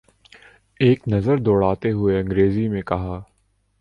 ایک نظر دوڑاتے ہوئے انگریزی میں کہا۔